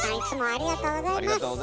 ありがとうございます。